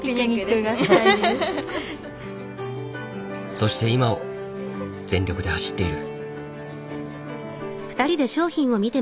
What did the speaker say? そして今を全力で走っている。